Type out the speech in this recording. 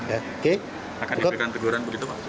akan diberikan teguran begitu pak